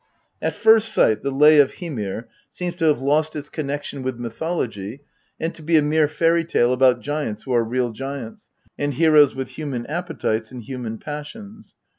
At first sight the Lay of Hymir seems to have lost its connection with mythology and to be a mere fairy tale about giants who are real giants, and heroes with human appetites and human passions.